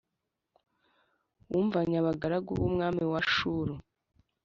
wumvanye abagaragu b’umwami w’Ashuru,